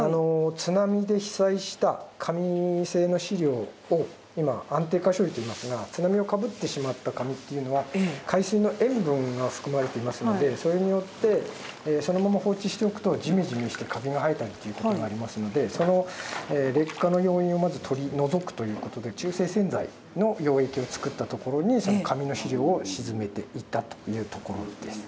津波で被災した紙製の資料を今安定化処理といいますが津波をかぶってしまった紙というのは海水の塩分が含まれていますのでそれによってそのまま放置しておくとジメジメしてカビが生えたりということがありますのでその劣化の要因をまず取り除くということで中性洗剤の溶液を作った所にその紙の資料を沈めていったというところです。